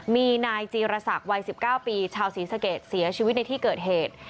มีนายจีรศักดิ์วัย๑๙ปีชาวศรีสะเกดเสียชีวิตในที่เกิดเหตุ